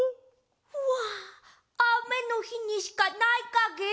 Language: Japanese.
わああめのひにしかないかげ？